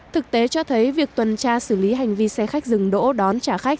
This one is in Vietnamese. thực tế cho thấy việc tuần tra xử lý hành vi xe khách dừng đỗ đón trả khách